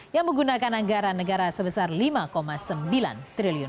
yang menggunakan anggaran negara sebesar rp lima sembilan triliun